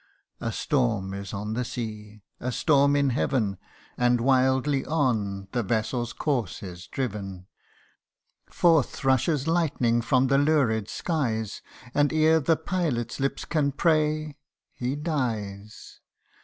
A storm is on the sea ; a storm in heaven ; And wildly on the vessel's course is driven. Forth rushes lightning from the lurid skies, And ere the pilot's lips can pray, he dies